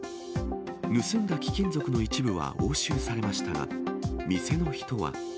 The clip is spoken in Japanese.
盗んだ貴金属の一部は押収されましたが、店の人は。